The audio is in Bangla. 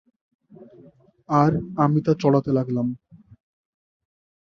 আর আমি তা চড়াতে লাগলাম।